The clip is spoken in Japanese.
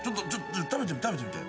食べてみて。